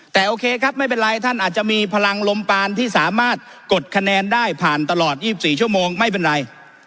แต่โอเคครับไม่เป็นไรท่านอาจจะมีพลังลมปานที่สามารถกดคะแนนได้ผ่านตลอด๒๔ชั่วโมงไม่เป็นไร